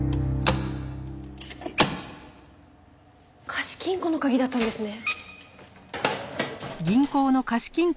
貸金庫の鍵だったんですね。